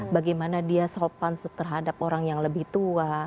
bagaimana dia sopan terhadap orang yang lebih tua